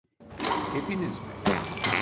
Hepiniz mi?